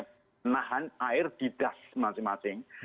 menahan air di das masing masing